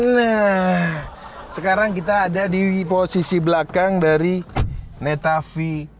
nah sekarang kita ada di posisi belakang dari neta v dua